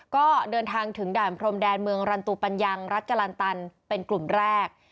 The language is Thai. ก็เดินทางถึงด่านพรมแดนเมืองรันตุปัญญังรัฐกรันตันเป็นกลุ่มแรก